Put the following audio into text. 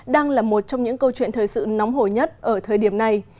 đang là một trong những câu chuyện thời sự nóng hồ nhất ở thời điểm này